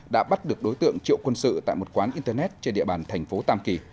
đã bắt được đối tượng triệu quân sự tại một quán internet trên địa bàn thành phố tam kỳ